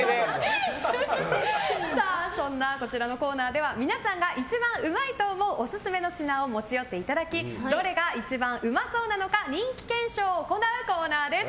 そんなこちらのコーナーでは皆さんが一番うまいと思うオススメの品を持ち寄っていただきどれが一番うまそうなのか人気検証を行うコーナーです。